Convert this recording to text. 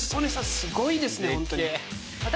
すごいですねホントに。